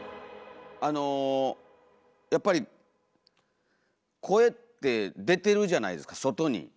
あのやっぱり声って出てるじゃないですか外に。